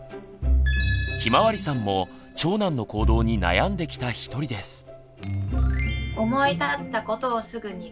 ひまわりさんも長男の行動に悩んできた一人です。